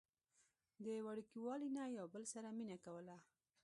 د وړوکوالي نه يو بل سره مينه کوله